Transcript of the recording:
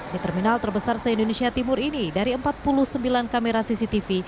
di terminal terbesar se indonesia timur ini dari empat puluh sembilan kamera cctv